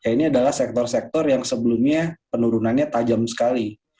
ini adalah sektor sektor yang sebelumnya penurunannya tajam sekali